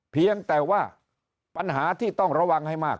เพียงแต่ว่าปัญหาที่ต้องระวังให้มาก